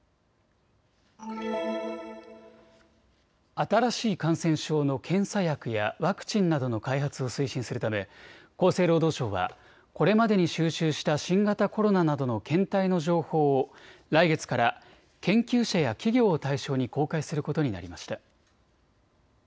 新しい感染症の検査薬やワクチンなどの開発を推進するため厚生労働省はこれまでに収集した新型コロナなどの検体の情報を来月から研究者や企業を対象に公開することになりました。